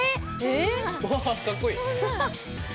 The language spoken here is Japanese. うわかっこいい！